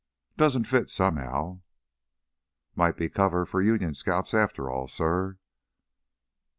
Doesn't fit somehow." "Might be cover for Union scouts after all, suh?"